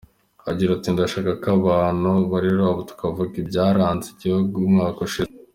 Agira ati “Ndashaka ko abantu birekura tukavuga ibyaranze igihugu umwaka ushize.